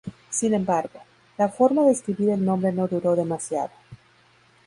Sin embargo, la forma de escribir el nombre no duró demasiado.